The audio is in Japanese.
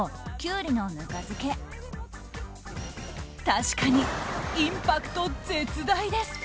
確かにインパクト絶大です！